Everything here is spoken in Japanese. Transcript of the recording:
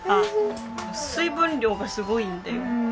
水分量がすごいんだよ